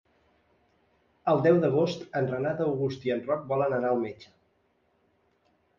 El deu d'agost en Renat August i en Roc volen anar al metge.